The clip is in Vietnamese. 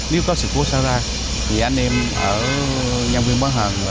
nếu có sự cố xảy ra thì anh em ở nhân viên bán hàng